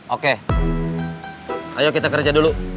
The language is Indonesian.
oke ayo kita kerja dulu